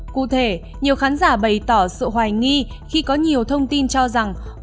cụ thể nhiều khán giả bày tỏ sự hoài nghi khi có nhiều thông tin cho rằng